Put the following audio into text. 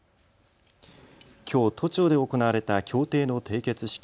きょう都庁で行われた協定の締結式。